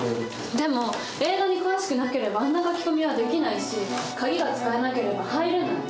でも映画に詳しくなければあんな書き込みはできないし鍵が使えなければ入れない。